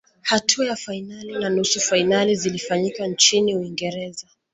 hatua ya fainali na nusu fainali zilifanyika nchini uingereza